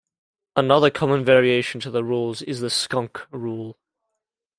Another common variation to the rules is the "skunk" rule.